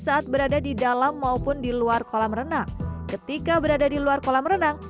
saat berada di dalam maupun di luar kolam renang ketika berada di luar kolam renang